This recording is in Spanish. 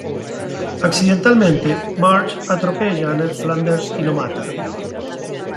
Accidentalmente, Marge atropella a Ned Flanders y lo mata.